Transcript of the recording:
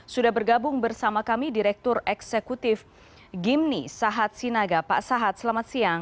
sudah bergabung bersama kami direktur eksekutif gimni sahat sinaga pak sahat selamat siang